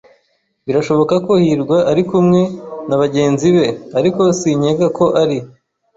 Birashoboka ko hirwa ari kumwe nabagenzi be, ariko sinkeka ko ari.